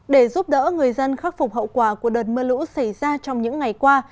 để giúp đỡ người dân khắc phục hậu quả của đợt mưa lũ xảy ra trong những ngày qua